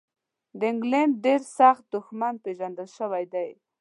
د انګلینډ ډېر سخت دښمن پېژندل شوی دی.